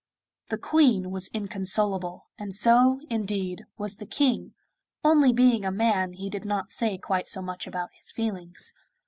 The Queen was inconsolable, and so, indeed, was the King, only being a man he did not say quite so much about his feelings.